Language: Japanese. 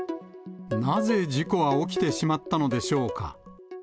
なぜ事故は起きてしまったのでしょうか。